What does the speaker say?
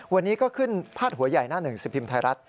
วันนี้ก็ขึ้นพาดหัวใหญ่หน้าหนึ่งสิบพิมพ์ไทยรัฐ